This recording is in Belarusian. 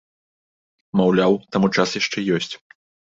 Маўляў, таму час яшчэ ёсць.